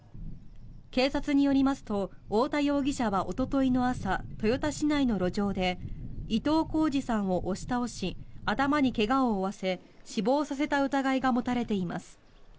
警察によりますと太田容疑者はおとといの朝豊田市内の路上で伊藤幸嗣さんを押し倒し頭に怪我を負わせ死亡させた疑いが持たれています。